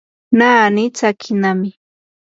naani tsakinami.